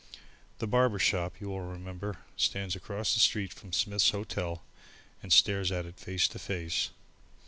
The barber shop, you will remember, stands across the street from Smith's Hotel, and stares at it face to face.